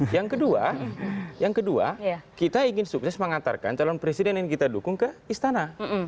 yang kedua yang kedua kita ingin sukses mengantarkan calon presiden yang kita dukung ke istana